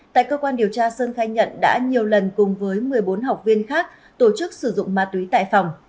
tại cơ quan điều tra sơn khai nhận đã nhiều lần cùng với một mươi bốn học viên khác tổ chức sử dụng ma túy tại phòng